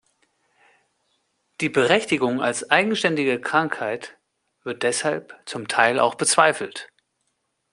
Die Berechtigung als eigenständige Krankheit wird deshalb zum Teil auch bezweifelt.